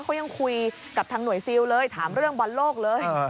เขายังคุยกับทางหน่วยซิลเลยถามเรื่องบอลโลกเลย